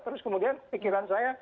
terus kemudian pikiran saya